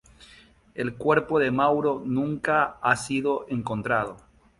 El cuerpo de Mauro nunca ha sido encontrado.